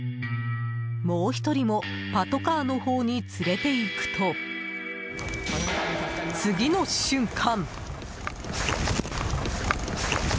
もう１人もパトカーのほうに連れていくと次の瞬間。